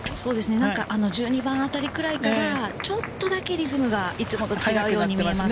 １２番あたりぐらいから、ちょっとだけリズムがいつもと違うように見えます。